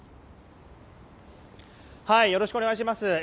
よろしくお願いします。